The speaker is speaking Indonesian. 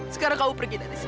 sekarang kamu pergi dari sini